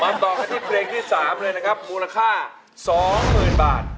มาต่อกันที่เพลงที่สามเลยนะครับมูลค่าสองหมื่นบาท